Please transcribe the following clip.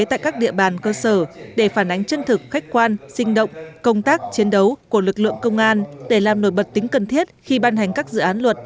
tại các địa bàn cơ sở để phản ánh chân thực khách quan sinh động công tác chiến đấu của lực lượng công an để làm nổi bật tính cần thiết khi ban hành các dự án luật